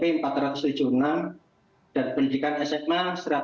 dan pendidikan sma satu ratus lima